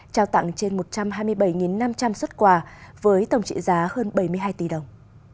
trao tặng trên một trăm hai mươi bảy năm trăm linh xuất quà với tổng trị giá hơn bảy mươi hai tỷ đồng